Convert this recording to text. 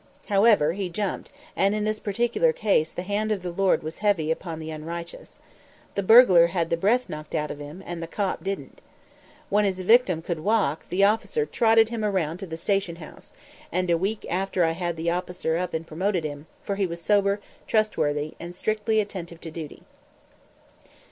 However, he jumped; and in this particular case the hand of the Lord was heavy upon the unrighteous. The burglar had the breath knocked out of him, and the "cop" didn't. When his victim could walk, the officer trotted him around to the station house; and a week after I had the officer up and promoted him, for he was sober, trustworthy, and strictly attentive to duty.